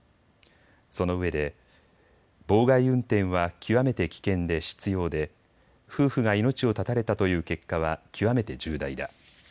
そのうえで妨害運転は極めて危険で執ようで夫婦が命を絶たれたという結果は極めて重大だ。